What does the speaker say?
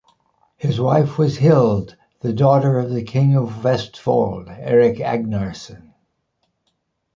His wife was Hild, the daughter of the king of Vestfold, Erik Agnarsson.